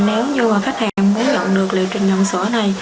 nếu như khách hàng muốn nhận được liệu trình nhận sữa này